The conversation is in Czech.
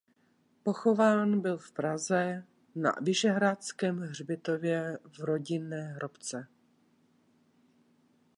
Pochován byl v Praze na Vyšehradském hřbitově v rodinné hrobce.